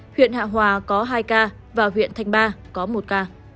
huyện hạ hòa có hai ca huyện thành ba có một ca